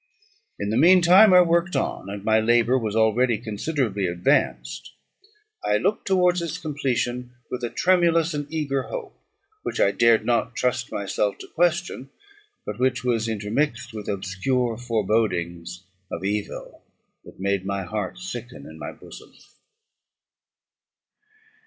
In the mean time I worked on, and my labour was already considerably advanced. I looked towards its completion with a tremulous and eager hope, which I dared not trust myself to question, but which was intermixed with obscure forebodings of evil, that made my heart sicken in my bosom.